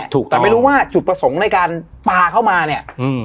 ถูกแต่ไม่รู้ว่าจุดประสงค์ในการปลาเข้ามาเนี่ย